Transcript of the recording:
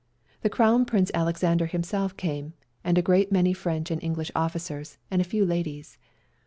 The Crown Prince Alex ander himself came, and a great many French and English officers and a few ladies.